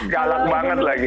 galak banget lagi